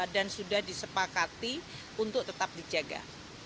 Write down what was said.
dan sudah disepakati untuk tetap dijaga